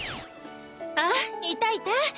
あっいたいた！